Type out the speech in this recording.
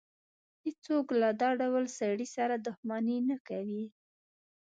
هېڅ څوک له دا ډول سړي سره دښمني نه کوي.